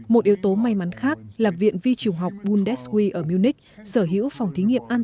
một yếu tố may mắn khác là viện vi trường học bundeswe ở munich sở hữu phòng thí nghiệm an